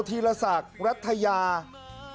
คุณผู้ชมครับโอโหนี่คือเรือโทษีละสักรัฐยา